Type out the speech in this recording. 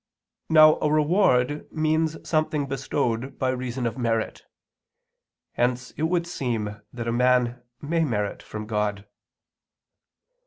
Now a reward means something bestowed by reason of merit. Hence it would seem that a man may merit from God.